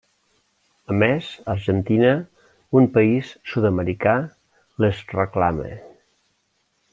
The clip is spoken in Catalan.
A més, Argentina, un país sud-americà, les reclama.